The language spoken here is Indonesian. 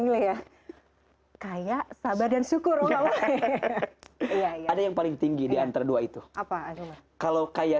milih ya kaya sabar dan syukur oh allah iya iya ada yang paling tinggi diantara dua itu apa kalau kaya